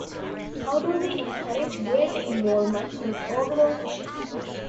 How do we encourage greater involvement with the overall vision?